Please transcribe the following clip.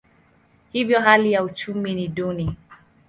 Hivyo hali ya uchumi ni duni.